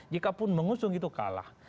jikapun mengusung itu kalah